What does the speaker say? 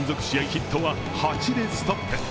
ヒットは８でストップ。